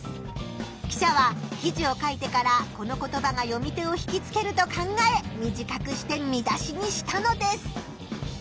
記者は記事を書いてからこの言葉が読み手を引きつけると考え短くして見出しにしたのです。